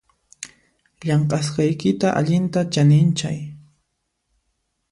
Llamk'asqaykita allintam chaninchay